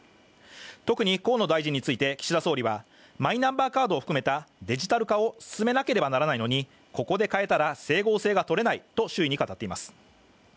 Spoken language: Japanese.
特に河野大臣について岸田総理はマイナンバーカードを含めたデジタル化を進めなければならないのにここでかえたら整合性がとれないと周囲に語っています。